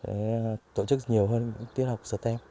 để tổ chức nhiều hơn tiết học stem